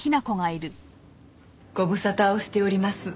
ご無沙汰をしております。